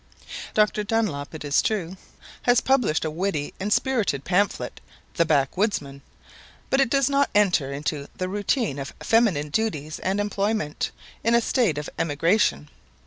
Dr. Dunlop, it is true, has published a witty and spirited pamphlet, "The Backwoodsman," but it does not enter into the routine of feminine duties and employment, in a state of emigration.